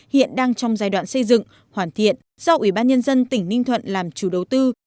hiện đang trong giai đoạn xây dựng hoàn thiện do ủy ban nhân dân tỉnh ninh thuận làm chủ đầu tư